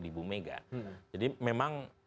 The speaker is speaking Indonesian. di bumega jadi memang